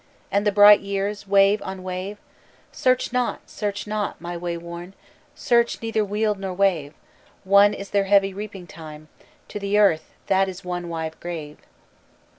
And the bright years, wave on wave? _"Search not, search not, my way worn; Search neither weald nor wave. One is their heavy reaping time To the earth, that is one wide grave."